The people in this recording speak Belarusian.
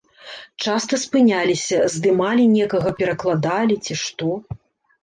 Часта спыняліся, здымалі некага, перакладалі, ці што.